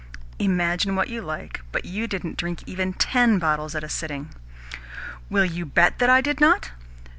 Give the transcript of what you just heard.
"Imagine what you like, but you didn't drink even TEN bottles at a sitting." "Will you bet that I did not?"